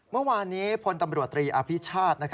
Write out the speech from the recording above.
เมื่อวานนี้พลตำรวจตรีอภิชาติ